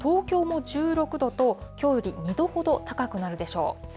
東京も１６度と、きょうより２度ほど高くなるでしょう。